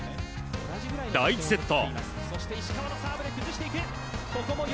第１セット。